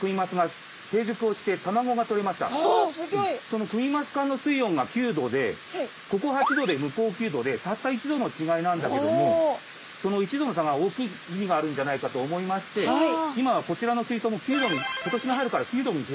そのクニマス館の水温が９℃でここ８℃で向こう９℃でたった１℃の違いなんだけどもその１℃の差が大きい意味があるんじゃないかと思いまして今はこちらの水槽も９℃に今年の春から９℃に。